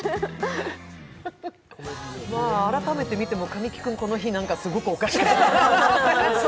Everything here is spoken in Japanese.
改めて見ても神木君、この日なんかすごくおかしくて。